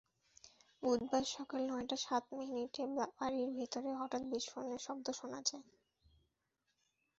বুধবার সকাল নয়টা সাত মিনিটে বাড়ির ভেতরে হঠাৎ বিস্ফোরণের শব্দ শোনা যায়।